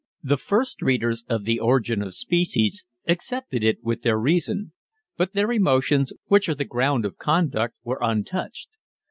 The first readers of The Origin of Species accepted it with their reason; but their emotions, which are the ground of conduct, were untouched.